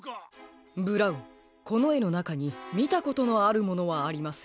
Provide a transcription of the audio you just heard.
ブラウンこのえのなかにみたことのあるものはありませんか？